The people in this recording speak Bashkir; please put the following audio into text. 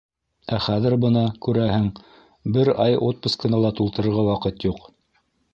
Ә хәҙер бына, күрәһең, бер ай отпускыны ла тултырырға ваҡыт юҡ.